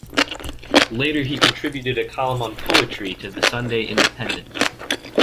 Later he contributed a column on poetry to the "Sunday Independent".